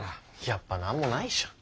やっぱ何もないじゃん。